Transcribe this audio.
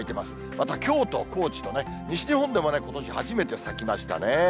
また京都、高知とね、西日本でもことし初めて咲きましたね。